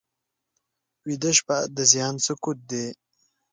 ویده شپه د ذهن سکوت دی